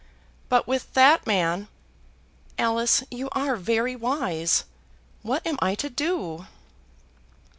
But with that man ! Alice you are very wise. What am I to do?"